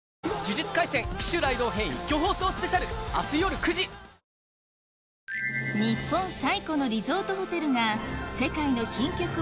日本最古のリゾートホテル